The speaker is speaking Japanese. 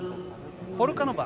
ポルカノバ